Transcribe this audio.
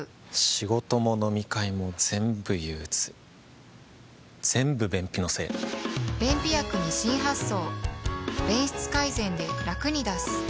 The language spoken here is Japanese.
仕事も飲み会もぜんぶ憂鬱ぜんぶ便秘のせい便秘薬に新発想